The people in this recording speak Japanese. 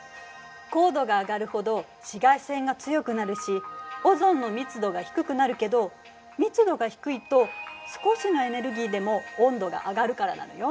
高度が上がるほど紫外線が強くなるしオゾンの密度が低くなるけど密度が低いと少しのエネルギーでも温度が上がるからなのよ。